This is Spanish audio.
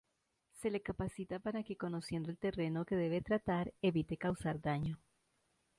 Se le capacita para que conociendo el terreno que debe tratar, evite causar daño.